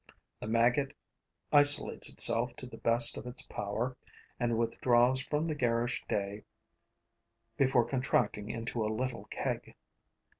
The maggot isolates itself to the best of its power and withdraws from the garish day before contracting into a little keg.